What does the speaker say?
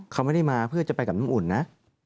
เขาไม่ได้มาเพื่อจะไปกับน้ำอุ่นนะ